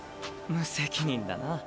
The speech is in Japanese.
無責任だな。